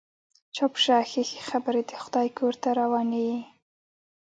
چپ شه، ښې ښې خبرې د خدای کور ته روانه يې.